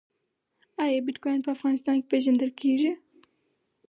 آیا بټکوین په افغانستان کې پیژندل کیږي؟